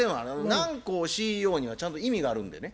南光ＣＥＯにはちゃんと意味があるんでね。